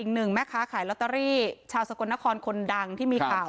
อีกหนึ่งค่ะขายลอตเตอรี่ชาวสะกดนครคนดังที่มีข่าว